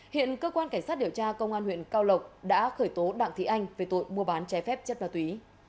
hiện cơ quan cảnh sát điều tra công an huyện cao lộc đã khởi tố đặng thị anh về tội mua bán trái phép chất ma túy